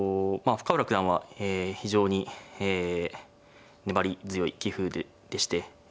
深浦九段は非常に粘り強い棋風でしてえ